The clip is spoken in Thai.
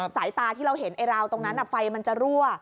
สายตาที่เราเห็นไอ้ราวตรงนั้นไฟมันจะรั่ว